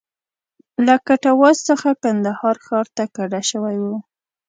له کټواز څخه کندهار ښار ته کډه شوی و.